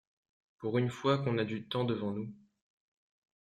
Pour une fois qu’on a du temps devant nous...